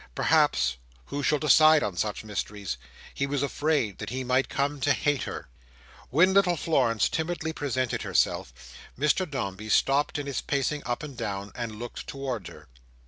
Perhaps—who shall decide on such mysteries!—he was afraid that he might come to hate her. When little Florence timidly presented herself, Mr Dombey stopped in his pacing up and down and looked towards her.